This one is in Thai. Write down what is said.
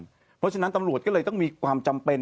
เพราะฉะนั้นตำรวจก็เลยต้องมีความจำเป็น